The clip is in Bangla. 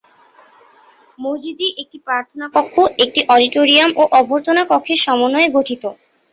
মসজিদটি একটি প্রার্থনা কক্ষ, একটি অডিটোরিয়াম ও অভ্যর্থনা কক্ষের সমন্বয়ে গঠিত।